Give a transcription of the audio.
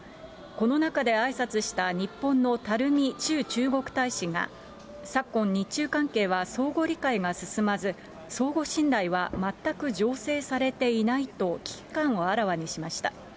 この中であいさつした、日本のたるみ駐中国大使が、昨今日中関係は相互理解が進まず、相互信頼は全く醸成されていないと危機感をあらわにしました。